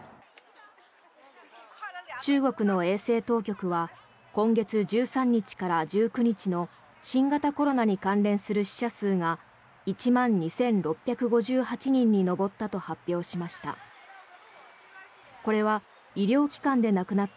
中国の衛生当局は今月１３日から１９日の新型コロナに関連する死者数が１万２６５８人に上ったと発表しました。